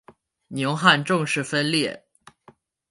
宁汉正式分裂。